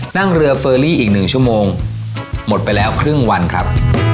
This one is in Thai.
นั่งเรือเฟอรี่อีก๑ชั่วโมงหมดไปแล้วครึ่งวันครับ